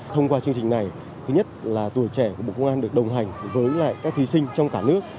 thông qua chương trình này thứ nhất là tuổi trẻ của bộ công an được đồng hành với lại các thí sinh trong cả nước